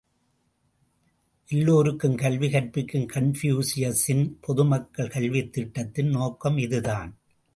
எல்லாருக்கும் கல்வி கற்பிக்கும் கன்பூசியசின் பொது மக்கள் கல்வித்திட்டத்தின் நோக்கம் இதுதான்.